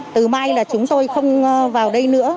từ mai là chúng tôi không vào đây nữa